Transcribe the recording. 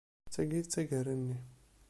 D tagi i d tagara-nni.